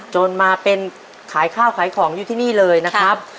จนมาเป็นขายข้าวขายของอยู่ที่นี่เลยนะครับ